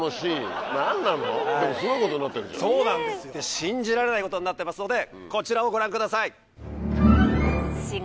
信じられないことになってますのでこちらをご覧ください！